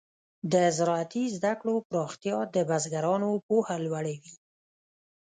د زراعتي زده کړو پراختیا د بزګرانو پوهه لوړه وي.